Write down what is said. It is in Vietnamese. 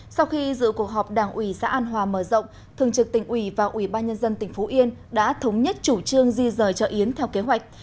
sau khi dự cuộc họp đảng ủy xã an hòa mở rộng thường trực tỉnh ủy và ủy ban nhân dân tỉnh phú yên đã thống nhất chủ trương di rời chợ yến theo kế hoạch